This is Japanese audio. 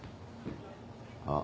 あっ。